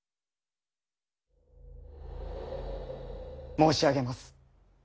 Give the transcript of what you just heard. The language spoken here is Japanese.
申し上げます。